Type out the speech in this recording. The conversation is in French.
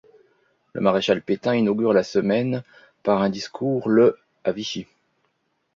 Le maréchal Pétain inaugure la semaine par un discours le à Vichy.